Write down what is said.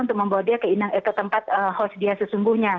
untuk membawa dia ke tempat host dia sesungguhnya